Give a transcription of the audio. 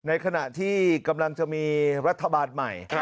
ในขณะที่กำลังจะมีรัฐบาลใหม่